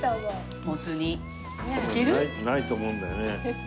いける？ないと思うんだよね。